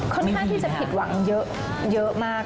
ค่อนข้างที่จะผิดหวังเยอะมาก